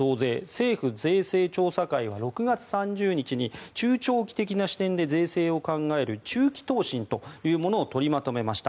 政府税制調査会は６月３０日に中長期的な視点で税制を考える中期答申を取りまとめました。